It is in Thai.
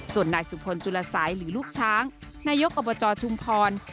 ส่วนนายสุพลจุลสัยหรือลูกช้างนายกอบจชุมพร